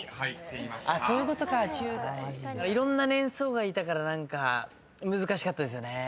いろんな年層がいたから何か難しかったですよねそこが。